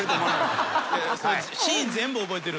シーン全部覚えてるんで。